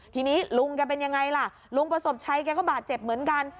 ทีนี้ลุงแกเป็นยังไงล่ะลุงประสบชัยแกก็บาดเจ็บเหมือนกัน